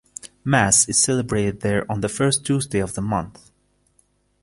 Mass is celebrated there on the first Tuesday of the month.